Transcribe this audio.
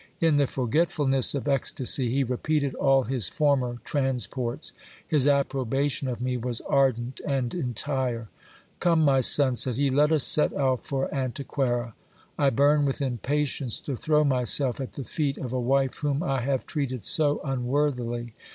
In the forgetfulness of ecstacy, he repeated all his former transports. His approbation of me was ardent and entire. Come, my son, said he, let us set out for Antequera. I burn with impatience to throw myself at the feet of a wife whom I have treated so unworthily.